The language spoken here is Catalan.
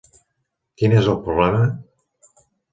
"Quin és el problema?